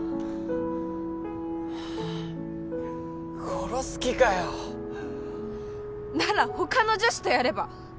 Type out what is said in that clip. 殺す気かよなら他の女子とやれば？